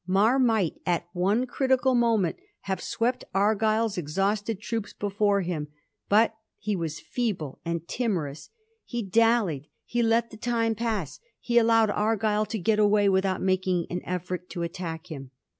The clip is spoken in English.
Mar might, at one critical moment, have swept Argyll's exhausted troops before him, but he was feeble and timorous ; he dallied ; he let the time pass; he allowed Argyll to get away without making an effort to attack him.